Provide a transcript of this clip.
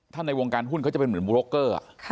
ถ้าในวงการหุ้นเขาจะเป็นเหมือนบูรกเกอร์